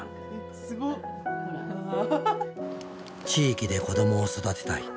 地域で子どもを育てたい。